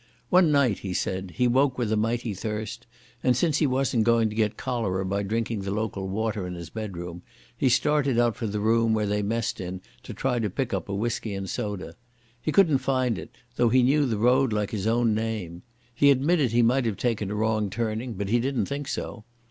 One night, he said, he woke with a mighty thirst, and, since he wasn't going to get cholera by drinking the local water in his bedroom, he started out for the room they messed in to try to pick up a whisky and soda. He couldn't find it, though he knew the road like his own name. He admitted he might have taken a wrong turning, but he didn't think so.